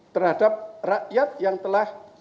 terhadap rakyat yang telah